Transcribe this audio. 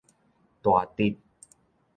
大直